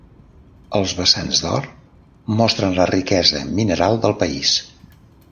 Els besants d'or mostren la riquesa mineral del país.